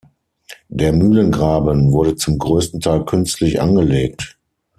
Der Mühlengraben wurde zum größten Teil künstlich angelegt.